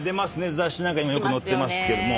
雑誌にもよく載ってますけども。